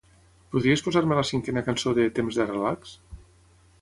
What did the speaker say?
Podries posar-me la cinquena cançó de "Temps de relax"?